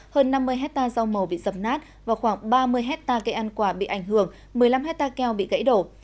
hơn năm mươi hecta rau màu bị dập nát và khoảng ba mươi hecta cây ăn quả bị ảnh hưởng một mươi năm hecta keo bị gãy đổ